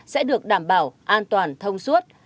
sẽ được đảm bảo an toàn thông suốt